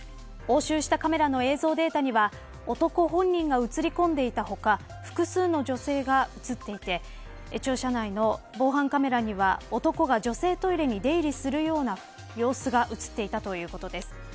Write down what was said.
押収したカメラの映像データには男本人が映り込んでいた他複数の女性が映っていて庁舎内の防犯カメラには男が女性トイレに出入りするような様子が映っていたということです。